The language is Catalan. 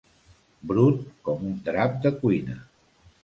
Brut com un drap de cuina.